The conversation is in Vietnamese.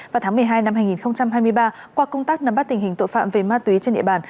vào tháng một mươi hai năm hai nghìn hai mươi ba qua công tác nắm bắt tình hình tội phạm về ma túy trên địa bàn